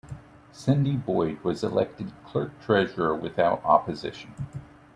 Cindee Boyd was elected clerk-treasurer without opposition.